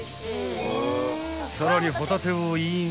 ［さらにホタテをイン］